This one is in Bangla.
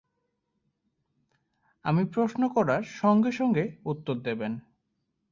আমি প্রশ্ন করার সঙ্গে-সঙ্গে উত্তর দেবেন।